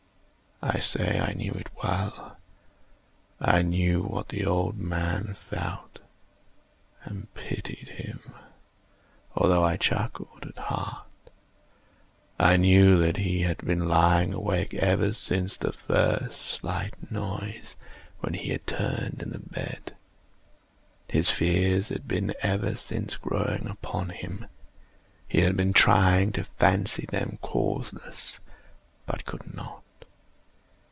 I say I knew it well. I knew what the old man felt, and pitied him, although I chuckled at heart. I knew that he had been lying awake ever since the first slight noise, when he had turned in the bed. His fears had been ever since growing upon him. He had been trying to fancy them causeless, but could not.